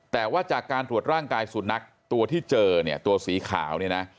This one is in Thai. แต่ว่าจากการตรวจร่างกายสุนัขตัวที่เจอเนี่ยตัวสีขาวเนี่ยนะ